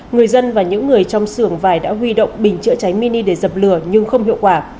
người dân và những người trong xưởng vải đã huy động bình chữa cháy mini để dập lửa nhưng không hiệu quả